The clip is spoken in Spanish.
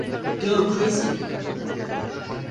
Go Crazy!